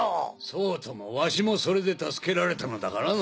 そうともわしもそれで助けられたのだからな。